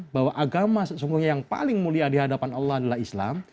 bahwa agama yang paling mulia dihadapan allah adalah islam